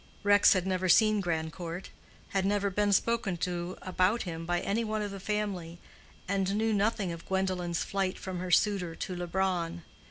Rex had never seen Grandcourt, had never been spoken to about him by any one of the family, and knew nothing of Gwendolen's flight from her suitor to Leubronn.